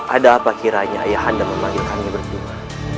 ada apa kiranya ayah anda membagikannya berdua